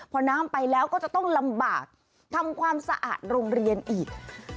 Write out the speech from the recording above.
พอน้ำไปแล้วก็จะต้องลำบากทำความสะอาดโรงเรียนอีก